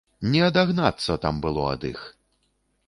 Не адагнацца там было ад іх!